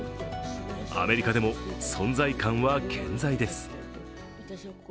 アメリカでも存在感は健在です。